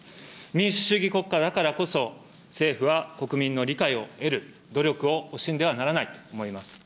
民主主義国家だからこそ、政府は国民の理解を得る努力を惜しんではならないと思います。